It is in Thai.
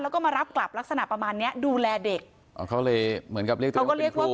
แล้วก็มารับกลับลักษณะประมาณเนี้ยดูแลเด็กอ๋อเขาเลยเหมือนกับเรียกตัวเอง